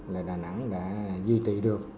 là đà nẵng đã duy trì được